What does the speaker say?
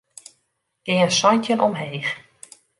Gean santjin omheech.